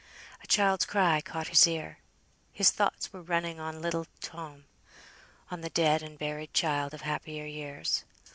A child's cry caught his ear. His thoughts were running on little Tom; on the dead and buried child of happier years.